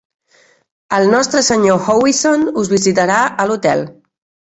El nostre senyor Howison us visitarà a l'hotel.